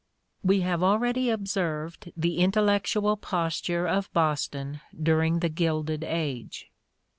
We have already observed the intellectual posture of Boston during the Gilded Age.